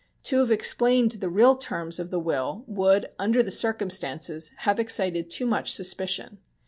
To have explained the real terms of the will would, under the circumstances, have excited too much suspicion.